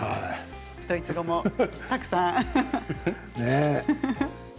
ドイツ語もたくさん。ね。